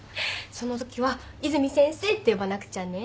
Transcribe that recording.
そのときは和泉先生って呼ばなくちゃね。